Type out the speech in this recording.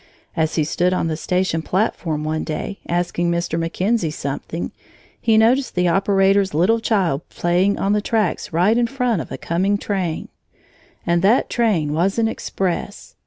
As he stood on the station platform one day, asking Mr. McKenzie something, he noticed the operator's little child playing on the tracks right in front of a coming train. And that train was an express!